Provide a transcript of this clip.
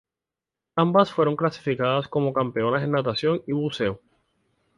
Ambas fueron calificadas como "campeonas en natación y buceo".